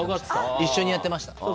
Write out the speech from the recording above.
一緒にやってました。